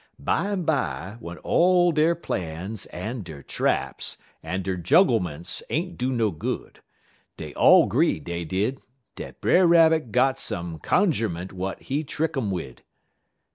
Bimeby, w'en all der plans, en der traps, en der jugglements ain't do no good, dey all 'gree, dey did, dat Brer Rabbit got some cunjerment w'at he trick um wid.